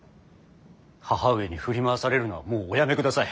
義母上に振り回されるのはもうおやめください。